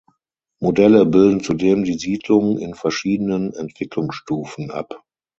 Modelle bilden zudem die Siedlung in verschiedenen Entwicklungsstufen ab.